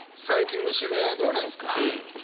最近の渋谷はどうなんすか？